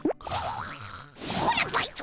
こらバイト！